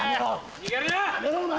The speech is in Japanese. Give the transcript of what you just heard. ・逃げるな！